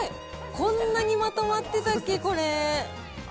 こんなにまとまってたっけ、これ。